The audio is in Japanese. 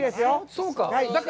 そうか！